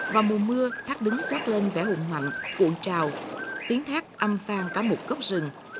vào mùa mưa thác đứng tuyết lên vẻ hùng mạnh cuộn trào tiếng thác âm phan cả một góc rừng